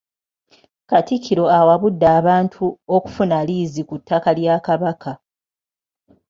Katikkiro awabudde abantu okufuna liizi ku ttaka lya Kabaka.